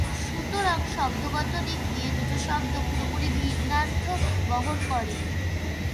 সুতরাং শব্দগত দিক দিয়ে দুটো শব্দ পুরোপুরি ভিন্নার্থ বহন করে।